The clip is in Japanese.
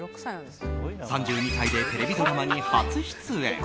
３２歳でテレビドラマに初出演。